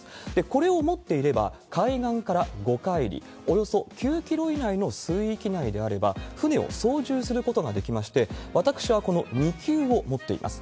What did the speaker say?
これを持っていれば、海岸から５海里、およそ９キロ以内の水域であれば、船を操縦することができまして、私はこの２級を持っています。